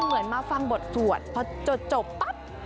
เหมือนมาฟังบทสวดพอจบปั๊บ